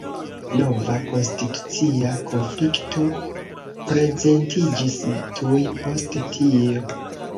Nova konstitucia konflikto prezentiĝis tuj post tio.